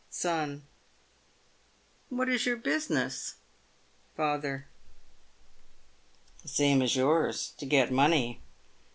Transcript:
Son. What is your business ? Father. The same as yours — to get money.